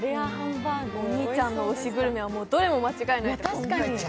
お兄ちゃんの推しグルメはどれも間違いない。